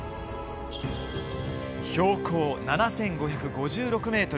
標高７５５６ｍ。